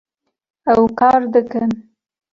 Ew kar dikin